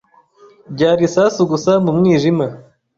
Byari isasu gusa mu mwijima.